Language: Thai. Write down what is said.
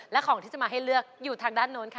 และของที่จะมาให้เลือกอยู่ทางด้านโน้นค่ะ